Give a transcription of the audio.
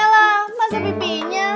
yalah masa bibinya